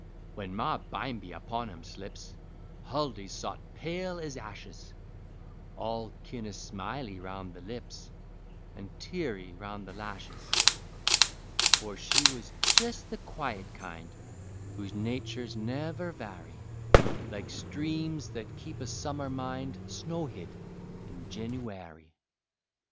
When Ma bimeby upon 'em slips, Huldy sot pale ez ashes, All kin' o' smily roun' the lips An' teary roun' the lashes. For she was jes' the quiet kind Whose naturs never vary, Like streams that keep a summer mind Snowhid in Jenooary.